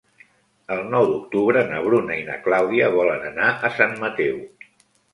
El nou d'octubre na Bruna i na Clàudia volen anar a Sant Mateu.